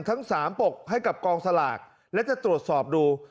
ทั้งสามปกให้กับกองสลากและจะตรวจสอบดู